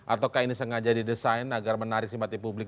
ataukah ini sengaja didesain agar menarik simpati publik